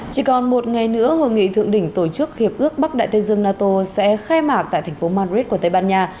chỉ còn một ngày nữa hội nghị thượng đỉnh tổ chức hiệp ước bắc đại tây dương nato sẽ khai mạc tại thành phố madrid của tây ban nha